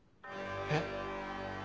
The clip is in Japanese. えっ？